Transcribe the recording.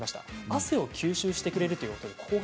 汗を吸収してくれるということです。